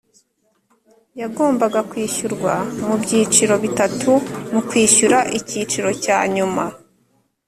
yagombaga kwishyurwa mu byiciro bitatu Mu kwishyura icyiciro cya nyuma